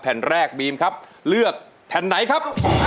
แผ่นแรกบีมครับเลือกแผ่นไหนครับ